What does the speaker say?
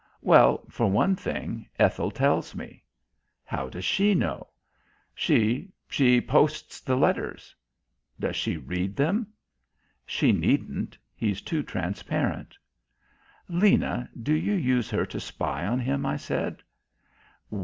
"Well, for one thing, Ethel tells me." "How does she know?" "She she posts the letters." "Does she read them?" "She needn't. He's too transparent." "Lena, do you use her to spy on him?" I said.